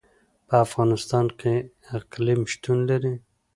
په افغانستان کې اقلیم شتون لري.